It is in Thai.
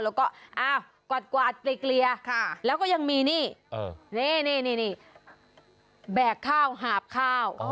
แล้วก็อ้าวกวาดเกลียแล้วก็ยังมีนี่นี่แบกข้าวหาบข้าว